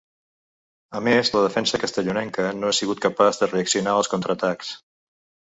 A més la defensa castellonenca no ha sigut capaç de reaccionar als contraatacs.